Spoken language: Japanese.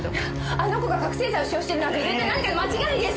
あの子が覚せい剤を使用してるなんて絶対何かの間違いです！